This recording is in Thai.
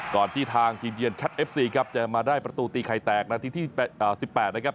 ที่ทางทีมเยือนแคทเอฟซีครับจะมาได้ประตูตีไข่แตกนาทีที่๑๘นะครับ